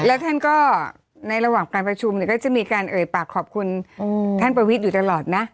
แล้วท่านก็ในระหว่างการประชุมเนี่ยก็จะมีการเอ่ยปากขอบคุณท่านประวิทย์อยู่ตลอดนะ